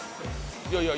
いやいや。